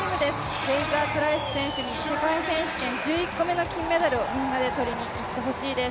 フレイザープライス選手に世界選手権１１個目の金メダルをみんなで取りに行って欲しいです。